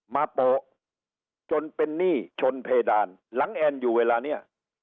โปะจนเป็นหนี้ชนเพดานหลังแอนอยู่เวลานี้